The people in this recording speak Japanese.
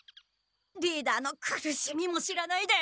リーダーの苦しみも知らないで。